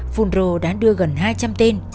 fungro đã đưa gần hai trăm linh tên